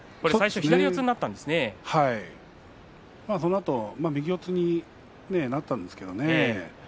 左四つになったあと右四つになったんですけどね